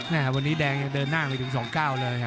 นะวันนี้แดงยังเดินหน้ามาอยู่ถึง๒เก้าเลย